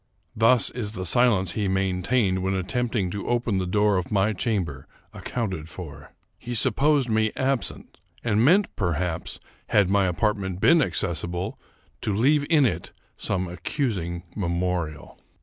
Thus is the silence he maintained when attempting to open the door of my chamber, ac counted for. He supposed me absent, and meant, perhaps, had my apartment been accessible, to leave in it some accus ing memorial.